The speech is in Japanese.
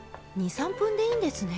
２３分でいいんですね。